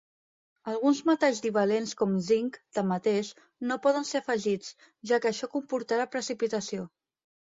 Alguns metalls divalents com zinc, tanmateix, no poden ser afegits, ja que això comportarà precipitació.